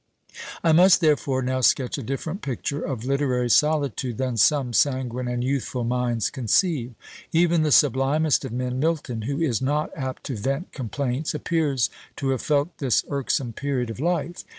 I must therefore now sketch a different picture of literary solitude than some sanguine and youthful minds conceive. Even the sublimest of men, Milton, who is not apt to vent complaints, appears to have felt this irksome period of life.